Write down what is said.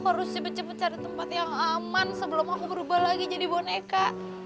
harus cepet cepet cari tempat yang aman sebelum aku berubah lagi jadi boneka